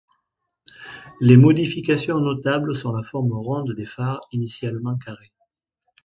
Les modifications notables sont la forme ronde des phares, initialement carré.